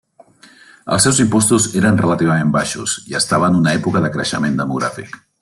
Els seus impostos eren relativament baixos i estava en una època de creixement demogràfic.